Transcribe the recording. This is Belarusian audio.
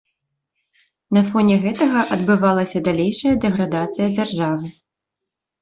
На фоне гэтага адбывалася далейшая дэградацыя дзяржавы.